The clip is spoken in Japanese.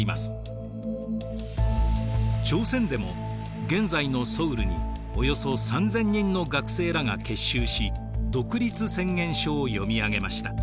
朝鮮でも現在のソウルにおよそ３，０００人の学生らが結集し独立宣言書を読み上げました。